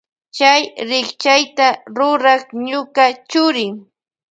Chay rikchayta rurak ñuka churi.